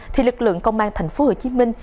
thì lực lượng công an thành phố hồ chí minh